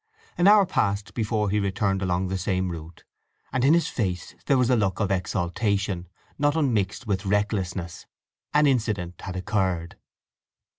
An hour passed before he returned along the same route, and in his face there was a look of exaltation not unmixed with recklessness. An incident had occurred.